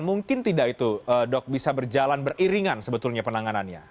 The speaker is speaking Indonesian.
mungkin tidak itu dok bisa berjalan beriringan sebetulnya penanganannya